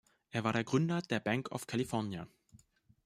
Er war der Gründer der Bank of California.